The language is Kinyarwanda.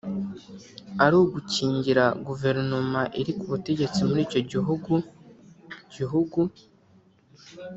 ari ugukingira guverinoma iri ku butegetsi mur’icyo gihugu gihugu